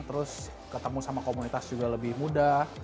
terus ketemu sama komunitas juga lebih mudah